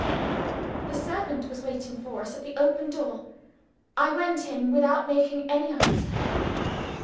The servant was waiting for us at the open door. I went an without making any answer.